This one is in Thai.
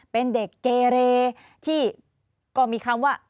เป็นเด็กเกเรที่ก็มีคำว่า